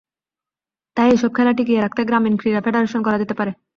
তাই এসব খেলা টিকিয়ে রাখতে গ্রামীণ ক্রীড়া ফেডারেশন করা যেতে পারে।